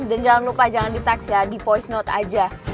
dan jangan lupa jangan di text ya di voice note aja